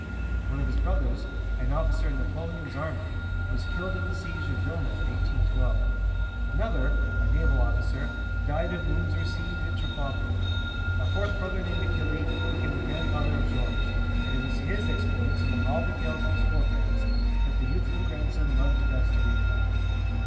One of his brothers, an officer in Napoleon's army, was killed at the siege of Vilna in 1812; another, a naval officer, died of wounds received at Trafalgar. A fourth brother named Achille became the grandfather of Georges, and it was his exploits, among all the tales of his forbears, that the youthful grandson loved best to read about.